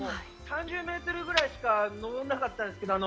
３０メートルぐらいしか登らなかったんですけど